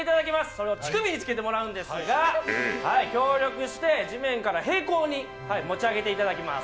それを乳首につけてもらうんですが、協力して地面から平行に持ち上げていただきます。